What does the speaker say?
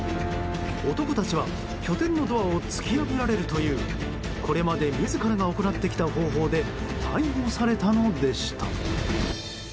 男たちは拠点のドアを突き破られるというこれまで自らが行ってきた方法で逮捕されたのでした。